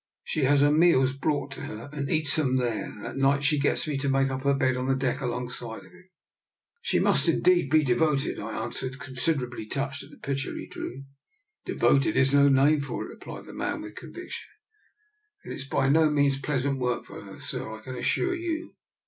She has her meals brought to her and eats 'em there, and at night she gets me to make her up a bed on the deck alongside of him." " She must, indeed, be devoted," I an swered, considerably touched at the picture he drew. " Devoted is no name for it," replied the man, with conviction. " And it's by no \\ DR. NIKOLA'S EXPERIMENT. 79 means pleasant work for her, sir, I can assure you.